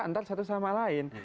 antara satu sama lain